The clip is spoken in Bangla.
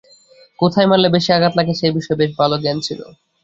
কোথায় মারলে বেশি আঘাত লাগে সেই বিষয়ে বেশ ভালো জ্ঞান ছিল।